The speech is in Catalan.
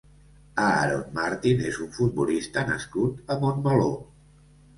Aarón Martín és un futbolista nascut a Montmeló.